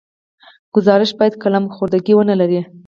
ګزارش باید قلم خوردګي ونه لري.